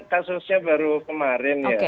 kasusnya baru kemarin ya